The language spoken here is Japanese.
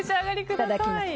いただきます。